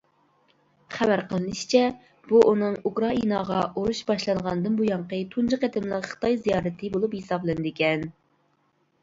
خەۋەر قىلىنىشىچە، بۇ ئۇنىڭ ئۇكرائىناغا ئۇرۇشى باشلانغاندىن بۇيانقى تۇنجى قېتىملىق خىتاي زىيارىتى بولۇپ ھېسابلىنىدىكەن.